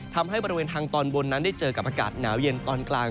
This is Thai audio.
ทำให้บริเวณทางตอนบนนั้นได้เจอกับอากาศหนาวเย็นตอนกลาง